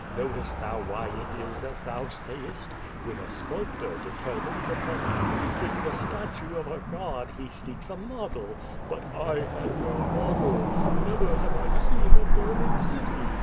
Knowest thou why it is as thou sayest? When a sculptor determines upon creating the statue of a god he seek. ^ a model. But I had no model. Xever h^\c I ceen a burning city.